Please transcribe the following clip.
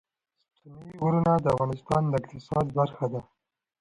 ستوني غرونه د افغانستان د اقتصاد برخه ده.